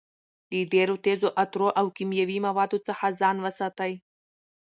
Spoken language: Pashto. له ډېرو تېزو عطرو او کیمیاوي موادو څخه ځان وساتئ.